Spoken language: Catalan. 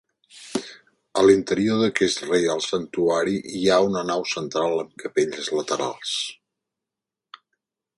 A l'interior d'aquest Reial Santuari hi ha una nau central amb capelles laterals.